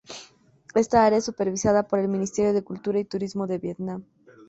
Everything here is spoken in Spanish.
Esta área es supervisada por el Ministerio de Cultura y Turismo de Vietnam.